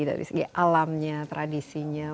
dari segi alamnya tradisinya